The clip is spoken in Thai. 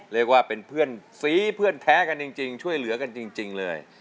เรียกว่าเป็นเพื่อนสีเพื่อนแท้กันจริงช่วยเหลือกันจริงเลย